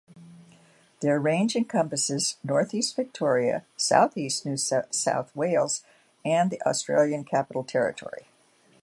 Their range encompasses northeast Victoria, southeast New South Wales and the Australian Capital Territory.